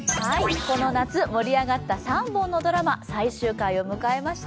この夏盛り上がった３本のドラマ最終回を迎えました。